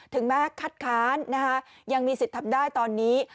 แม้คัดค้านยังมีสิทธิ์ทำได้ตอนนี้